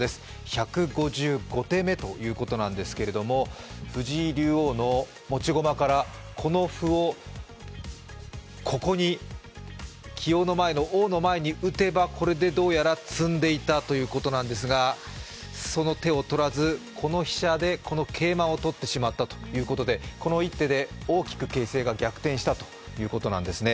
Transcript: １５５手目ということなんですけど藤井竜王の持ち駒から、この歩をここに、棋王の前に打てば、よかったのですがそれを打たず、この飛車で桂馬を取ってしまったということで、この一手で、大きく形勢が逆転したということなんですね。